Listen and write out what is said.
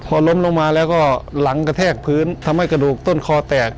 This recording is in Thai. พอล้มลงมาแล้วก็หลังกระแทกพื้นทำให้กระดูกต้นคอแตก